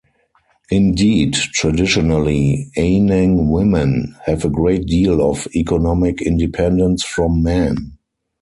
Indeed, traditionally Anaang women have a great deal of economic independence from men.